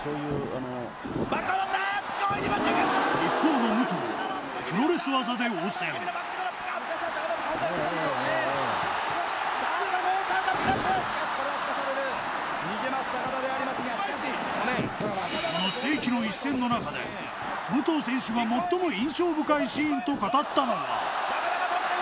この世紀の一戦の中で武藤選手が最も印象深いシーンと語ったのが。